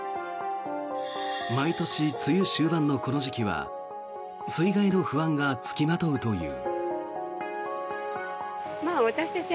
毎年、梅雨終盤のこの時期は水害の不安が付きまとうという。